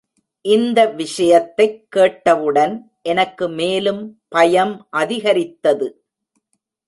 இந்த விஷயத்தைக் கேட்டவுடன் எனக்கு மேலும் பயம் அதிகரித்தது.